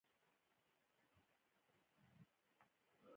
دا تر ټولو لویه تېروتنه ده.